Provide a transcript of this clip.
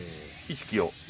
意識を。